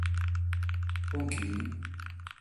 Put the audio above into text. Cun chie?